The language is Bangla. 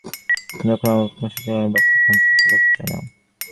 দেখুন, আমি আপনার সাথে এই ব্যাপারে কোনো তর্ক করতে চাই না।